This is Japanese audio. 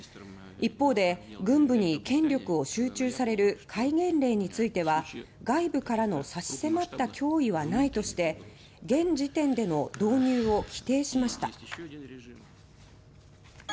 一方で、軍部に権力を集中させる戒厳令については「外部からの差し迫った脅威はない」として現時点での導入を否定しました。